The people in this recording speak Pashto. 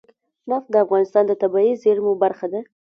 نفت د افغانستان د طبیعي زیرمو برخه ده.